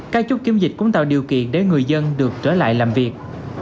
các chút kiếm dịch cũng tạo điều kiện để người dân được trở lại làm việc